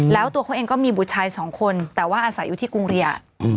แล้วตัวเขาเองก็มีบุตรชายสองคนแต่ว่าอาศัยอยู่ที่กรุงเรีย